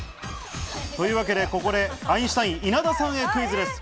ここでアインシュタイン・稲田さんへクイズです。